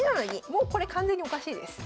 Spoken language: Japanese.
もうこれ完全におかしいです。